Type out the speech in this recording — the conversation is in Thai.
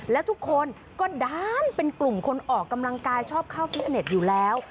แล้วทุกคนก็ด้านเป็นกลุ่มคนออกกำลังกายชอบเข้าฟิตเน็ตอยู่แล้ว